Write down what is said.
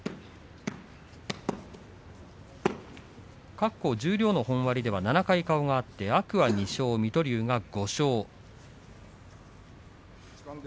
過去十両の本割では７回顔が合って、天空海２勝水戸龍が５勝。